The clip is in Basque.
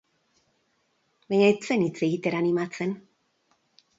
Baina ez zen hitz egitera animatzen.